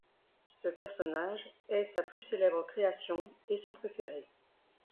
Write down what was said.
Ce personnage est sa plus célèbre création et son préféré.